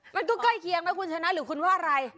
ใกล้เคียงนะคุณชนะหรือคุณว่าอะไร